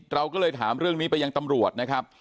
เราก็เลยถามเรื่องนี้ไปยังตำรวจนะครับ